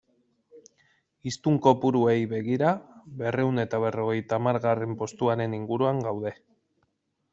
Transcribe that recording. Hiztun kopuruei begira, berrehun eta berrogeita hamargarren postuaren inguruan gaude.